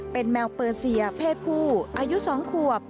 เป็นแมวเปอร์เซียเพศผู้อายุ๒ขวบ